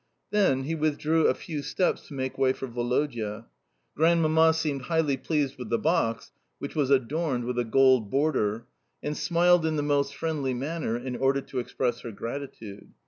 Then he withdrew a few steps to make way for Woloda. Grandmamma seemed highly pleased with the box (which was adorned with a gold border), and smiled in the most friendly manner in order to express her gratitude.